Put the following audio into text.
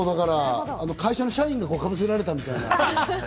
会社の社員が被せられたみたいな。